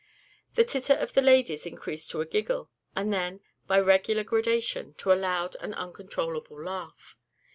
The titter of the ladies increased to a giggle, and then, by regular gradation, to a loud and uncontrollable laugh.